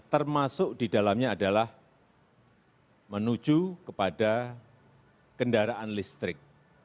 termasuk di dalamnya adalah menuju kepada kendaraan listrik